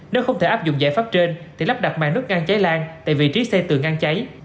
nếu không thể áp dụng giải pháp trên thì lắp đặt màn nút ngang cháy lan tại vị trí xe tường ngang cháy